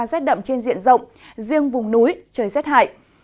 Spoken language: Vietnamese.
rét đậm trên diện rộng riêng vùng núi trời rét hại